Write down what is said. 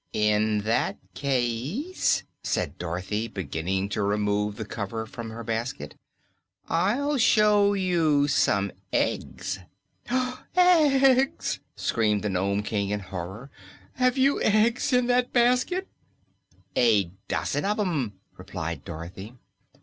"In that case," said Dorothy, beginning to remove the cover from her basket, "I'll show you some eggs." "Eggs!" screamed the Nome King in horror. "Have you eggs in that basket?" "A dozen of 'em," replied Dorothy.